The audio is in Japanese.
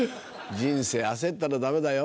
人生焦ったらダメだよ。